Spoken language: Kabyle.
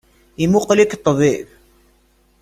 Imuqel-ik ṭṭbib?